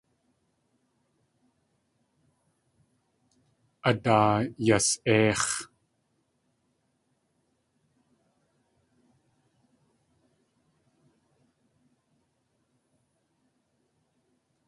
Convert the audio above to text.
A daa yas.éix̲.